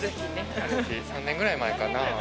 ３年ぐらい前かな。